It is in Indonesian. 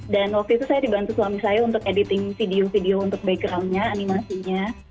dan waktu itu saya dibantu suami saya untuk editing video video untuk backgroundnya animasinya